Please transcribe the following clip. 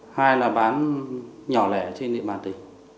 hai là bán nhỏ lẻ trên địa bàn tỉnh